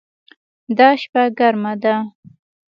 دا شپه ګرمه ده